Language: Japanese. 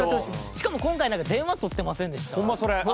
しかも今回なんか電話とってませんでした？